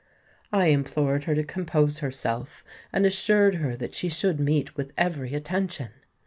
_'—I implored her to compose herself, and assured her that she should meet with every attention.